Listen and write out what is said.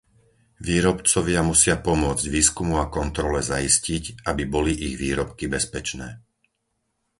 Výrobcovia musia pomôcť výskumu a kontrole zaistiť, aby boli ich výrobky bezpečné.